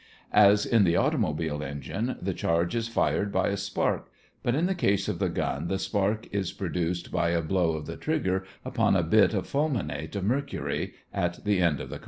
As in the automobile engine, the charge is fired by a spark; but in the case of the gun the spark is produced by a blow of the trigger upon a bit of fulminate of mercury in the end of the cartridge.